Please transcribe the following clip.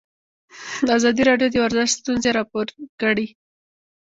ازادي راډیو د ورزش ستونزې راپور کړي.